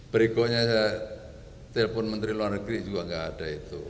berikutnya saya telpon menteri luar negeri juga nggak ada itu